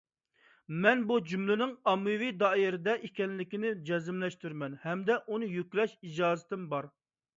مەن بۇ جۈملىنىڭ ئاممىۋى دائىرە دە ئىكەنلىكىنى جەزملەشتۈرىمەن ھەمدە ئۇنى يۈكلەش ئىجازىتىم بار.